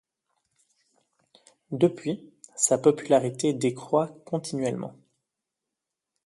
Depuis, sa popularité décroît continuellement.